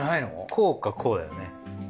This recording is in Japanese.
こうかこうだよね。